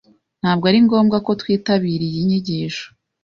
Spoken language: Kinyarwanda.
Ntabwo ari ngombwa ko twitabira iyi nyigisho.